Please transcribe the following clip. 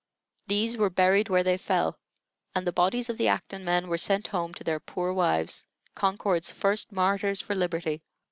These were buried where they fell; and the bodies of the Acton men were sent home to their poor wives, Concord's first martyrs for liberty.